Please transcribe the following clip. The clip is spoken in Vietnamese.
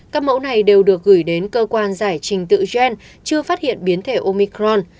các mẫu này đều được gửi đến cơ quan giải trình tự gen chưa phát hiện biến thể omicron